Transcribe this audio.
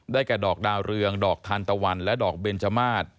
แก่ดอกดาวเรืองดอกทานตะวันและดอกเบนจมาส